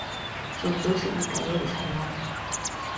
Son dous indicadores Ardán.